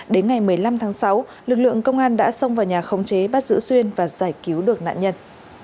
đến ngày một mươi năm tháng sáu lực lượng công an đã xông vào nhà khống chế bắt giữ xuyên và giải cứu được nạn nhân